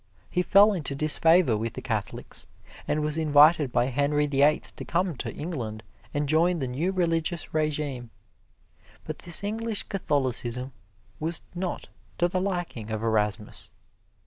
He fell into disfavor with the Catholics, and was invited by Henry the Eighth to come to England and join the new religious regime. But this English Catholicism was not to the liking of Erasmus.